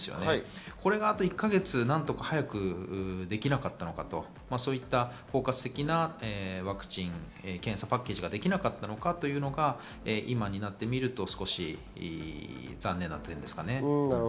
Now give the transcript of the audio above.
これがあと１か月、何とか早くできなかったのかと、そういった包括的なワクチン、検査パッケージができなかったのかというのが今になってみると少し残念な点です。